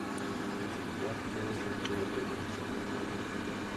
Теҥгеат пелыжым тудо тыгыдым шотла.